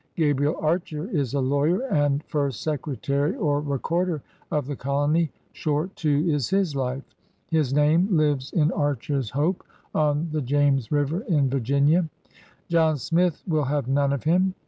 Gabriel Archer is a lawyer, and first secretary or recorder of the colony. Short, too, is his life. His name lives in Archer's Hope on the James River in Virginia. John Smith will have none of him!